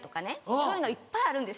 そういうのいっぱいあるんです。